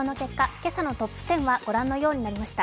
今朝のトップ１０はご覧のようになりました。